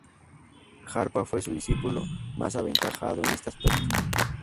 Jarpa fue su discípulo más aventajado en este aspecto.